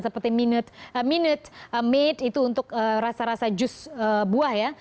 seperti minute made itu untuk rasa rasa jus buah ya